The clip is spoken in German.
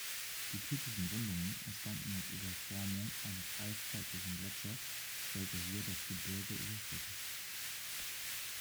Die typischen Rundungen entstanden als Überformung eines eiszeitlichen Gletschers, welcher hier das Gebirge überschritt.